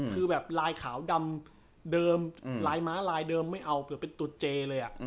คือไลน์ขาวดำเดิมไลน์ม้าไลน์เดิมไม่เอาแต่งให้เป็นตัวเจเลย